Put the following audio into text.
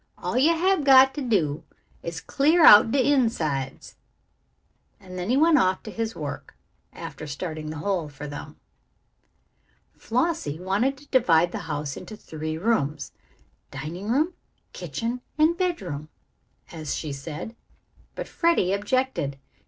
"All yo' hab got to do is to clear out de insides." And then he went off to his work, after starting the hole for them. Flossie wanted to divide the house into three rooms, "dining room, kitchen, and bedroom," as she said, but Freddie objected.